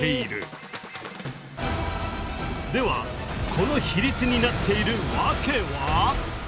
この比率になっているワケは？